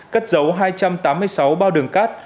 cất dấu hai trăm tám mươi sáu bao đường cát